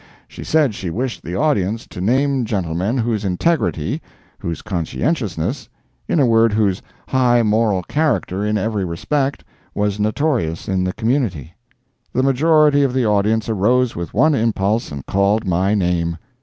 She said she wished the audience to name gentlemen whose integrity, whose conscientiousness—in a word whose high moral character, in every respect, was notorious in the community. The majority of the audience arose with one impulse and called my name.